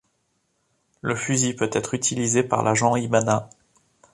Le fusil peut être utilisé par l'agent Hibana.